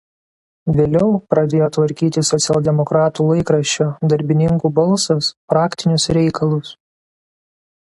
Vėliau pradėjo tvarkyti socialdemokratų laikraščio „Darbininkų balsas“ praktinius reikalus.